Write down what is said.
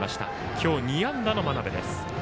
今日２安打の真鍋です。